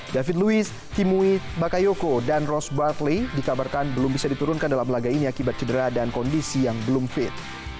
david luis timui bakayoko dan ros batley dikabarkan belum bisa diturunkan dalam laga ini akibat cedera dan kondisi yang belum fit